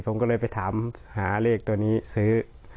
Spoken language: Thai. ผมก็เลยไปถามหาเลขตัวนี้ซื้อ